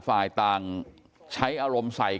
กลุ่มตัวเชียงใหม่